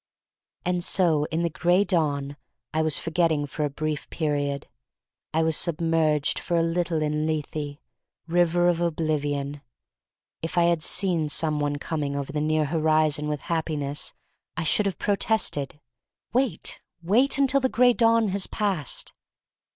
And so in the Gray Dawn I was for getting for a brief period. I was sub merged for a little in Lethe, river of oblivion. If I had seen some one com ing over the near horizon with Happi ness I should have protested: Wait, wait until the Gray Dawn has passed.